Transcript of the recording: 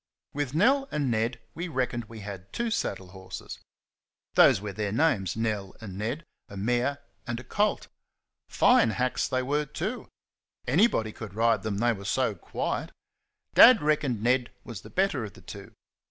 With Nell and Ned we reckoned we had two saddle horses those were their names, Nell and Ned, a mare and a colt. Fine hacks they were, too! Anybody could ride them, they were so quiet. Dad reckoned Ned was the better of the two.